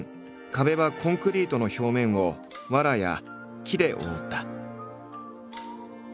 壁はコンクリートの表面をわらや木で覆った。